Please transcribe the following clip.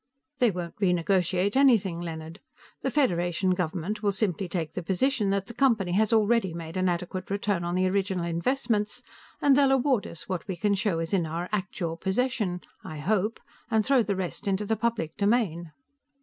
"They won't renegotiate anything, Leonard. The Federation government will simply take the position that the Company has already made an adequate return on the original investments, and they'll award us what we can show as in our actual possession I hope and throw the rest into the public domain."